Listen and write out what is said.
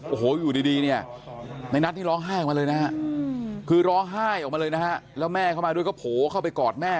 โอ้โหอยู่ดีเนี่ยในนัดที่ร้องไห้แล้วมาเลยนะครับแล้วแม่เขามาด้วยก็โผล่เข้าไปกอดแม่เลย